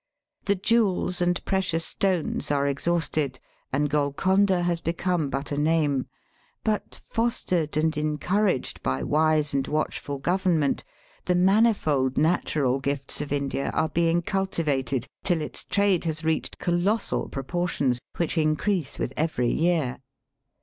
The jewels and precious stones are exhausted, and Gol conda has become but a name. But, fostered and encouraged by wise and watchful govern ment, the manifold natural gifts of India are being cultivated till its trade has reached colossal proportions, which increase with every year.